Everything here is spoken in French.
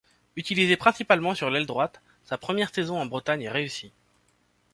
Utilisé principalement sur l'aile droite, sa première saison en Bretagne est réussie.